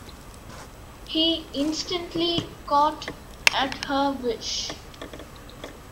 He instantly caught at her wish.